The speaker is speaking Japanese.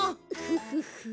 フフフ。